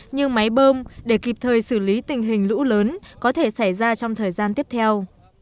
như máy bơm để kịp thời xử lý tình hình lũ lớn có thể xảy ra trong thời gian tiếp theo